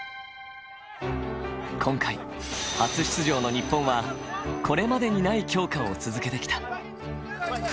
今回、初出場の日本はこれまでにない強化を続けてきた。